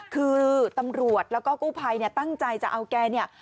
คือตำรวจแล้วก็กู้ภัยเนี่ยตั้งใจจะเอาแกเนี่ย